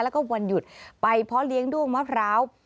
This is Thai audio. แล้วก็วันหยุดไปเพาะเลี้ยงด้วงมะพร้าว